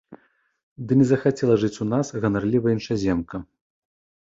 Ды не захацела жыць у нас ганарлівая іншаземка.